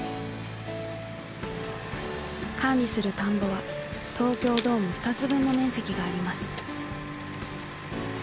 管理する田んぼは東京ドーム２つ分の面積があります。